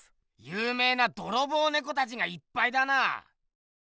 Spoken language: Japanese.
ゆうめいなドロボウネコたちがいっぱいだな。